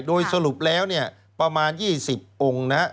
โดยสรุปแล้วประมาณ๒๐องค์